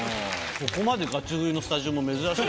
ここまでガチ食いのスタジオも珍しい。